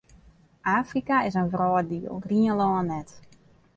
Afrika is in wrâlddiel, Grienlân net.